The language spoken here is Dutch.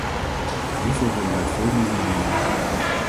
Hiervoor hebben wij veel meer middelen nodig.